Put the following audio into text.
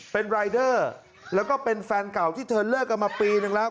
เป็นรายเดอร์แล้วก็เป็นแฟนเก่าที่เธอเลิกกันมาปีนึงแล้ว